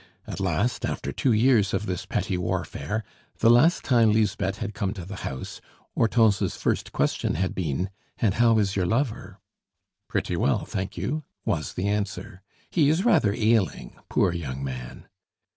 At last, after two years of this petty warfare, the last time Lisbeth had come to the house Hortense's first question had been: "And how is your lover?" "Pretty well, thank you," was the answer. "He is rather ailing, poor young man."